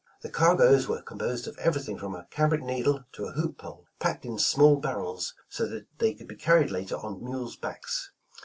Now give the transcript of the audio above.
The cargoes were composed of everything from a cambric needle to a hoop pole, packed in small barrels so they could be car ried later on mules' backs.